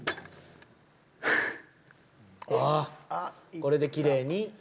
これできれいに。